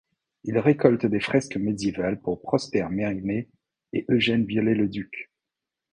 Il récole des fresques médiévales pour Prosper Mérimée et Eugène Viollet-le-Duc.